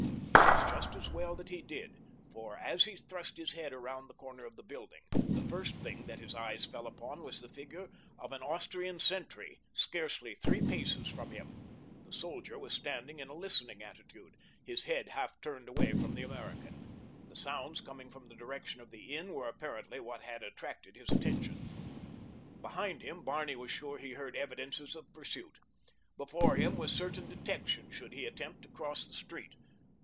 It was just as well that he did, for as he thrust his head around the corner of the building the first thing that his eyes fell upon was the figure of an Austrian sentry, scarcely three paces from him. The soldier was standing in a listening attitude, his head half turned away from the American. The sounds coming from the direction of the inn were apparently what had attracted his attention. Behind him, Barney was sure he heard evidences of pursuit. Before him was certain detection should he attempt to cross the street.